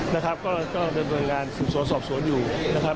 นะครับก็เริ่มรายงานส่วนส่วนอยู่นะครับ